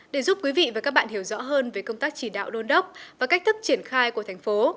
để giúp quý vị và các bạn hiểu rõ hơn về công tác chỉ đạo đôn đốc và cách thức triển khai của thành phố